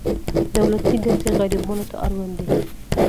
دولتي ګټې غریبانو ته اړوند دي.